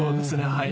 はい。